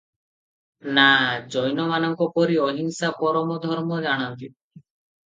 ନା, ଜୈନମାନଙ୍କ ପରି ଅହିଁସା ପରମ ଧର୍ମ ଜାଣନ୍ତି?